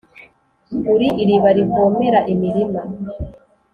Uri iriba rivomera imirima,